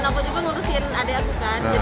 dan aku juga ngurusin adek aku kan